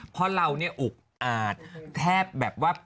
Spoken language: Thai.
ทำงานแบงค์